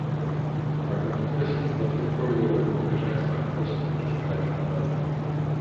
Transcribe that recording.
Pragnę podkreślić znaczenie prawidłowego wymierzania sprawiedliwości przez kraj kandydacki